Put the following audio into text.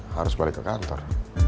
harus balik ke kantor